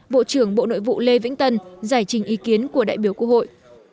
bộ trưởng bộ nội vụ lê vĩnh tân giải trình ý kiến của đại biểu quốc hội